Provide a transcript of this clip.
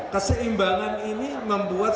keseimbangan ini membuat